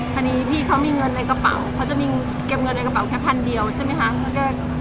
พอดีพี่เขามีเงินในกระเป๋าเขาจะมีเก็บเงินในกระเป๋าแค่พันเดียวใช่ไหมคะ